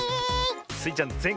スイちゃん